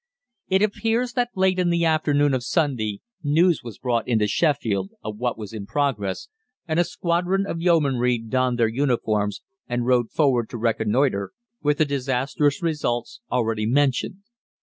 It appears that late in the afternoon of Sunday news was brought into Sheffield of what was in progress, and a squadron of Yeomanry donned their uniforms and rode forward to reconnoitre, with the disastrous results already mentioned.